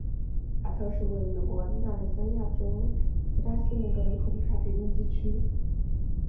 卡特是位于美国亚利桑那州希拉县的一个人口普查指定地区。